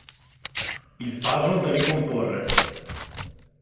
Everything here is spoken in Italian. Il puzzle da ricomporre.